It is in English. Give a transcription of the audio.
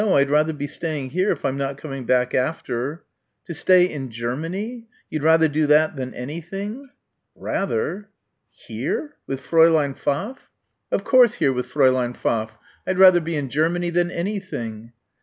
I'd rather be staying here if I'm not coming back after." "To stay in Germany? You'd rather do that than anything?" "Rather." "Here, with Fräulein Pfaff?" "Of course, here with Fräulein Pfaff. I'd rather be in Germany than anything."